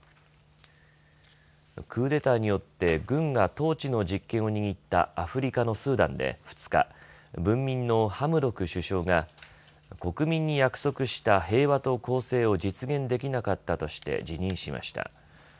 クーデターによって軍が統治の実権を握ったアフリカのスーダンで２日文民のハムドク首相が国民に約束した平和と公正を実現できなかったとして辞任しました。